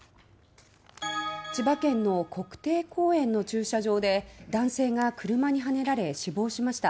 千葉県の国定公園の駐車場で男性が車にはねられ死亡しました。